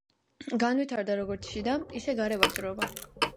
განვითარდა, როგორც შიდა, ისე გარე ვაჭრობა.